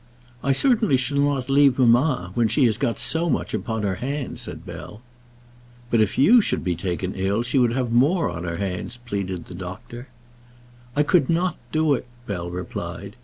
"I certainly shall not leave mamma, when she has got so much upon her hands," said Bell. "But if you should be taken ill she would have more on her hands," pleaded the doctor. "I could not do it," Bell replied.